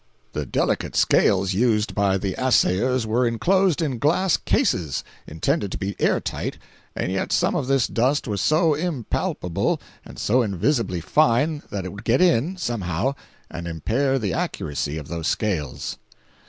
The delicate scales used by the assayers were inclosed in glass cases intended to be air tight, and yet some of this dust was so impalpable and so invisibly fine that it would get in, somehow, and impair the accuracy of those scales.